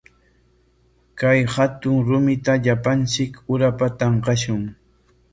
Kay hatun rumita llapanchik urapa tanqashun.